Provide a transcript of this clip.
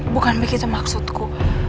bukan begitu maksudku